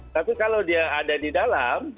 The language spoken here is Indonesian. tapi kalau dia ada di dalam